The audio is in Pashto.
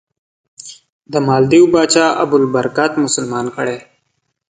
د مالدیو پاچا ابوالبرکات مسلمان کړی.